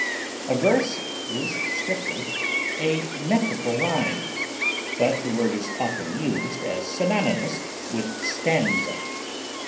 A verse is strictly a metrical line, but the word is often used as synonymous with stanza.